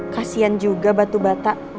kasian juga batu bata